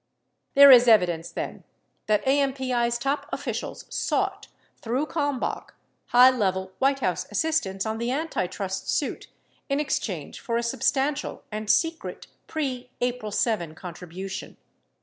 56 There is evidence, then, that AMPI's top officials sought, through Kalmbach, high level White House assistance on the antitrust suit in exchange for a substantial and secret pre April 7 contribution.